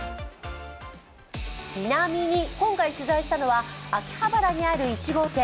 ちなみに、今回取材したのは秋葉原にある１号店。